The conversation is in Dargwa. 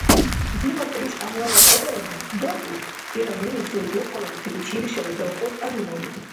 — Дила буруш-гӀянала агарану, гагу! — ира нуни Сергокъалала педучилищела завхоз ГӀялимовлизи.